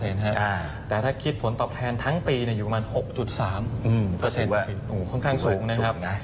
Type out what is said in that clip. ๓๓โอ้โหค่อนข้างสูงนะครับ